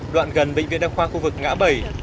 đoạn gần bệnh viện đa khoa khu vực ngã bảy